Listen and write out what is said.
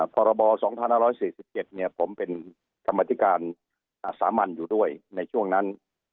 พรบ๒๕๔๗ผมเป็นกรรมธิการสามัญอยู่ด้วยในช่วงนั้น